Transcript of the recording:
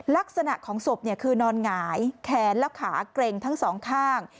ลักษณะของศพคือนอนหงายแขนและขาเกร็งทั้งสองข้าง